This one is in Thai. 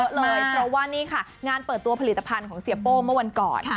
เพราะว่านี่ค่ะงานเปิดตัวผลิตภัณฑ์ของเสียโป้เมื่อวันก่อน